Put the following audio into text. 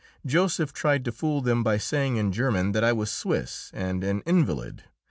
Joseph tried to fool them by saying in German that I was Swiss and an invalid.